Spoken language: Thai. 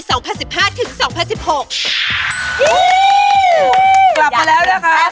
กลับมาแล้วแล้วคะ